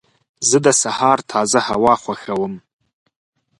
زه د سهار تازه هوا خوښوم.